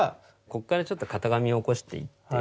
ここからちょっと型紙を起こしていって。